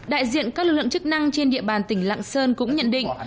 đại diện các lực lượng chức năng trên địa bàn tỉnh lạng sơn cũng nhận định